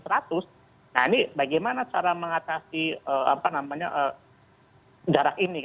nah ini bagaimana cara mengatasi darah ini